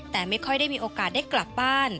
แต่ไม่ค่อยได้มีโอกาสได้กลับบ้าน